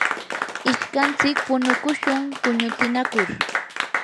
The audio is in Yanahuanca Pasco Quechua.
ishkantsik punukushun quñutsinakur.